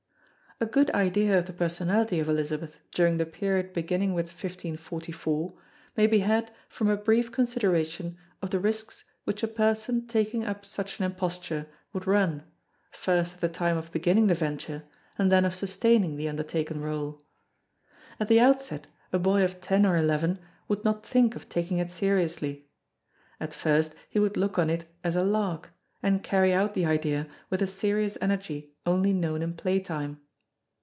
A good idea of the personality of Elizabeth during the period beginning with 1544 may be had from a brief consideration of the risks which a person taking up such an imposture would run, first at the time of beginning the venture and then of sustaining the undertaken rôle. At the outset a boy of ten or eleven would not think of taking it seriously. At first he would look on it as a "lark" and carry out the idea with a serious energy only known in play time.